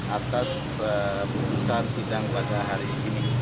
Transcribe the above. atas putusan sidang pada hari ini